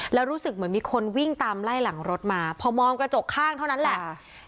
แล้วรู้สึกเหมือนมีคนวิ่งตามไล่หลังรถมาพอมองกระจกข้างเท่านั้นแหละ